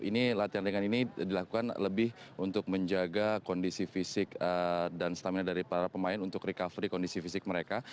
ini latihan ringan ini dilakukan lebih untuk menjaga kondisi fisik dan stamina dari para pemain untuk recovery kondisi fisik mereka